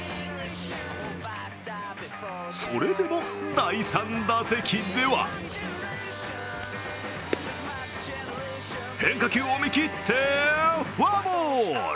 それでも、第３打席では変化球を見切ってフォアボール。